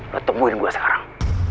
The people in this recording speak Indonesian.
lo tungguin gue sekarang